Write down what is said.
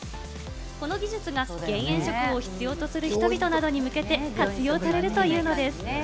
この技術が減塩食を必要とする人々などに向けて活用されるというのです。